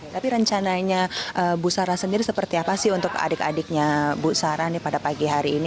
tapi rencananya bu sarah sendiri seperti apa sih untuk adik adiknya bu sara pada pagi hari ini